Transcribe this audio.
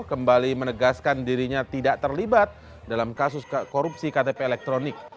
kembali menegaskan dirinya tidak terlibat dalam kasus korupsi ktp elektronik